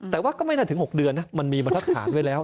แต่ว่าก็ไม่น่าถึง๖เดือนนะมันมีบรรทัดฐานไว้แล้ว